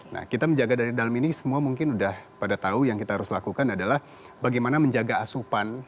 nah kita menjaga dari dalam ini semua mungkin sudah pada tahu yang kita harus lakukan adalah bagaimana menjaga asupan